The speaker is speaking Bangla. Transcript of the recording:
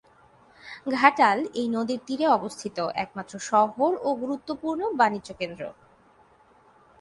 ঘাটাল এই নদীর তীরে অবস্থিত একমাত্র শহর ও গুরুত্বপূর্ণ বাণিজ্যকেন্দ্র।